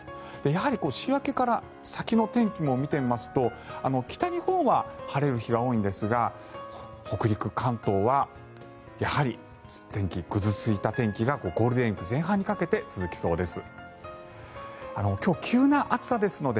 やはり週明けから先の天気も見てみますと北日本は晴れる日が多いんですが北陸、関東はやはり天気、ぐずついた天気がゴールデンウィーク前半にかけて続きそうです。